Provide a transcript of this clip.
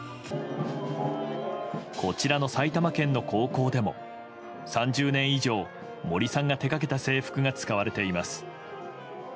こちらの埼玉県の高校でも３０年以上森さんが手がけた制服が使われています。